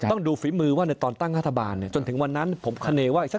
ต้องดูฝีมือว่าในตอนตั้งรัฐบาลจนถึงวันนั้นผมคาเนว่าอีกสัก